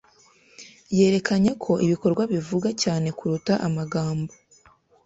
Yerekanye ko ibikorwa bivuga cyane kuruta amagambo.